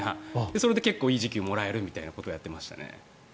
それで結構いい時給をもらえるみたいなことをやってましたね。